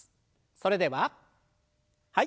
それでははい。